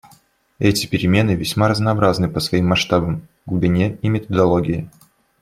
Эти перемены весьма разнообразны по своим масштабам, глубине и методологии.